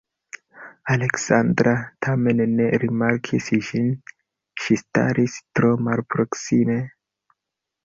Aleksandra tamen ne rimarkis ĝin; ŝi staris tro malproksime.